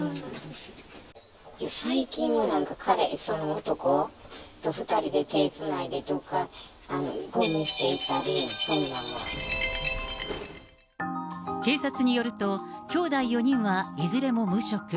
最近はなんか、彼氏、男、２人で手つないで、どっか、ごみ捨て行ったり、警察によると、きょうだい４人はいずれも無職。